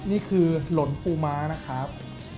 นี่คือหลนปูม้านะครับ